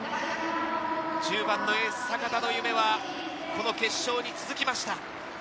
１０番のエース・坂田の夢はこの決勝に続きました。